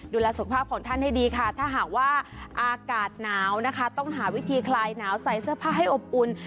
ดูแลสุขภาพของท่านให้ดีค่ะถ้าหากว่าอากาศหนาวนะคะต้องหาวิธีคลายหนาวใส่เสื้อผ้าให้อบอุ่น